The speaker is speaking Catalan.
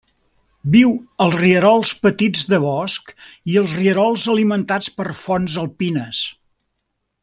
Viu als rierols petits de bosc i als rierols alimentats per fonts alpines.